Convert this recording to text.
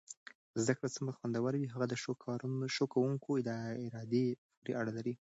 زده کړه څومره خوندور وي هغه د ښو کوونکو ارادې پورې اړه لري.